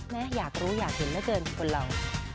แม่อยากรู้อยากเห็นมาเกินคุณเรา